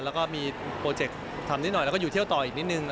แล้วก็มีโปรเจกต์ทำนิดหน่อยแล้วก็อยู่เที่ยวต่ออีกนิดนึง